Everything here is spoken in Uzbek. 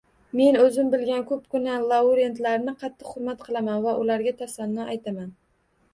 Men o‘zim bilgan ko‘pgina laureatlarni qattiq hurmat qilaman va ularga tasanno aytaman